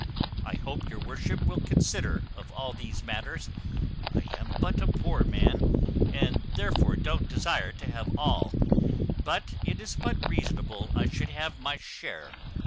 I hope your worship will consider of all these matters: I am but a poor man, and therefore don't desire to have all; but it is but reasonable I should have my share.